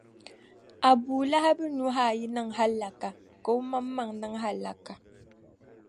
Abu Lahibi nuhi ayi niŋ hallaka, ka o mammaŋ’ niŋ hallaka.